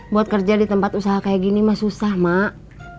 buat kerja di tempat usaha kayak gini mah susah mak